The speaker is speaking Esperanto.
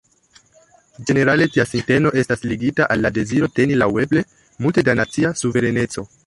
Ĝenerale tia sinteno estas ligita al la deziro teni laŭeble multe da nacia suvereneco.